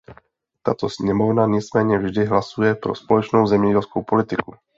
Tato sněmovna nicméně vždy hlasuje pro společnou zemědělskou politiku.